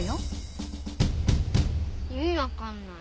意味わかんない。